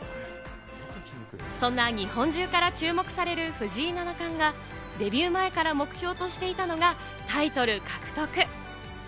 そんな日本中から注目される藤井七冠がデビュー前から目標としていたのがタイトル獲得。